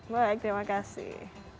baik terima kasih